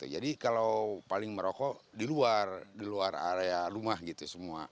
jadi kalau paling merokok di luar di luar area rumah gitu semua